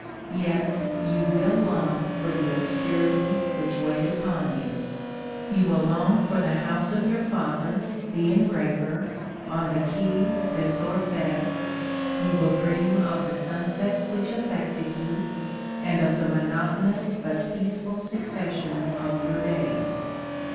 Yes, you will long for the obscurity which weighed upon you. You will long for the house of your father, the engraver, on the Quai des Orfèvres. You will dream of the sunsets which affected you, and of the monotonous but peaceful succession of your days.